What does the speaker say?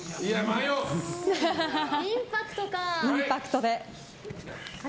インパクトか。